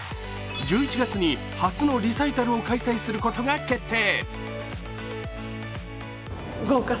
１１月に初のリサイタルを開催することが決定。